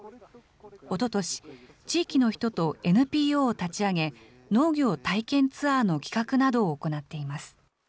おととし、地域の人とＮＰＯを立ち上げ、農業体験ツアーの企画などを行っています。